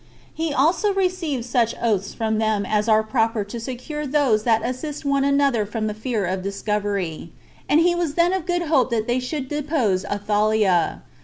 He also received such oaths from them as are proper to secure those that assist one another from the fear of discovery; and he was then of good hope that they should depose Athaliah.